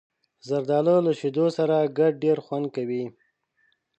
زردالو له شیدو سره ګډ ډېر خوند کوي.